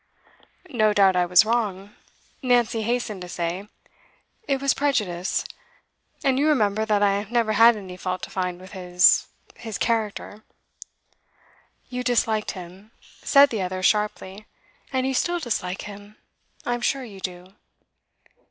'No doubt I was wrong,' Nancy hastened to say. 'It was prejudice. And you remember that I never had any fault to find with his his character.' 'You disliked him,' said the other sharply. 'And you still dislike him. I'm sure you do.